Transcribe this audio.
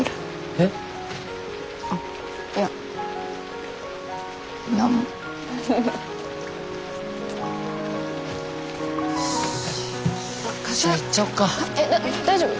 えっ大丈夫？